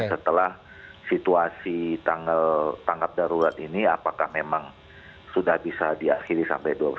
setelah situasi tanggal tangkap darurat ini apakah memang sudah bisa diakhiri sampai dua puluh satu